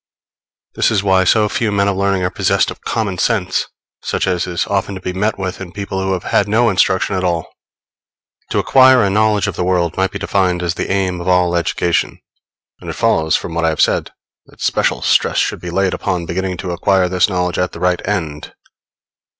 This is why so few men of learning are possessed of common sense, such as is often to be met with in people who have had no instruction at all. To acquire a knowledge of the world might be defined as the aim of all education; and it follows from what I have said that special stress should be laid upon beginning to acquire this knowledge at the right end.